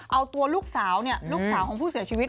เอาตัวลูกสาวเนี่ยลูกสาวลูกสาวของผู้เสียชีวิต